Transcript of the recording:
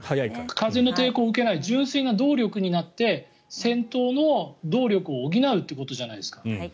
風の抵抗を受けない純粋な動力になって先頭の動力を補うってことじゃないですか。